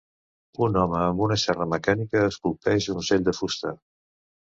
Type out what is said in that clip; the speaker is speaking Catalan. Un home amb una serra mecànica esculpeix un ocell de fusta